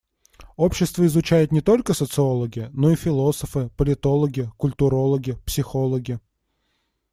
Общество изучают не только социологи, но и философы, политологи, культурологи, психологи.